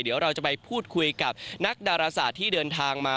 เดี๋ยวเราจะไปพูดคุยกับนักดาราศาสตร์ที่เดินทางมา